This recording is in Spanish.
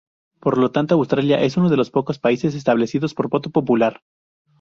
Por lo tanto Australia es uno de los pocos países establecidos por voto popular.